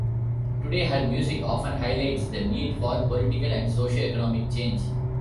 Today, her music often highlights the need for political and socio-economic change.